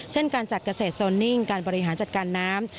เช่นการจัดเกษตรโซนิ่งการบริหารจัดการน้ำ